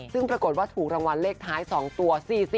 ซึ่งปรากฏว่าถูกรางวัลเลขท้าย๒ตัว๔๔